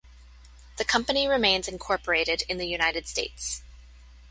The company remains incorporated in the United States.